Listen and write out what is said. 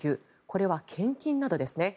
これは献金などですね。